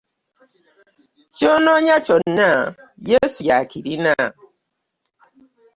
Ky'onoonya kyonna Yesu y'akirina.